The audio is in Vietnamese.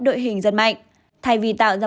đội hình rất mạnh thay vì tạo ra